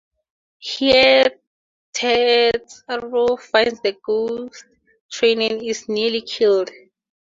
Here Tetsuro finds the Ghost Train and is nearly killed.